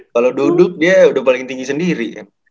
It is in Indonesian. kalau duduk dia udah paling tinggi sendiri